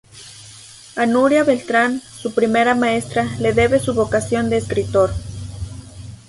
A Nuria Beltrán, su primera maestra, le debe su vocación de escritor.